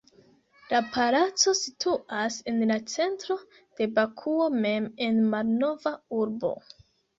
La palaco situas en la centro de Bakuo mem en Malnova urbo.